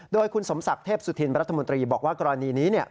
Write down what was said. โดยคุณสมศักดิ์เทพสุธินรัฐมนตรีบอกว่ากรณีนี้เนี่ย